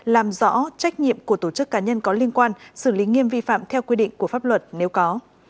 làm rõ trách nhiệm của tổ chức cá nhân có liên quan xử lý nghiêm vi phạm theo quy định của pháp luật nếu có